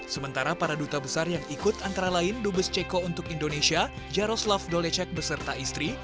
sementara para duta besar yang ikut antara lain dubes ceko untuk indonesia jaros lav dolecek beserta istri